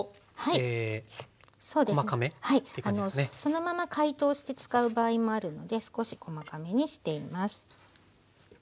そのまま解凍して使う場合もあるので少し細かめにしています。